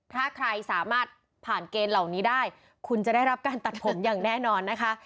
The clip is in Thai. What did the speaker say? ถ้าใครสามารถผ่านเกณฑ์เหล่านี้ได้คุณจะได้รับการตัดผมอย่างแน่นอนนะคะ